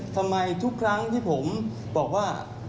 ทำไมทุกครั้งที่ผมบอกว่า